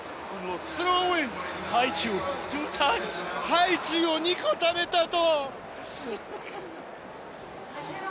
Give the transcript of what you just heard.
ハイチュウを２個食べたと。